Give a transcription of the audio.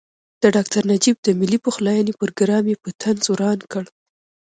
د ډاکټر نجیب د ملي پخلاینې پروګرام یې په طنز وران کړ.